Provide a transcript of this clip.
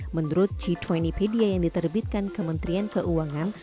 menurut g dua puluh media yang diterbitkan kementerian keuangan